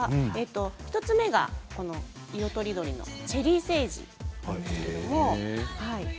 １つ目が色とりどりのチェリーセージです。